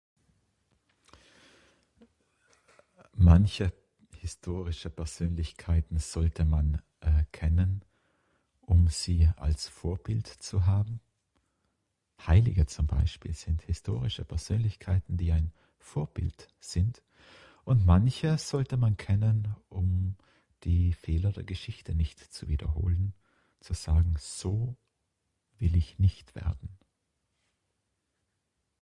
Manche historische Persönlichkeiten sollte man eh kennen, um Sie als Vorbild zu haben. Heilige zum Beispiel sind historische Persönlichkeiten die ein Vorbild sind und manche sollte man kennen um die Fehler der Geschichte nicht zu wiederholen zu sagen, So will ich nicht werden.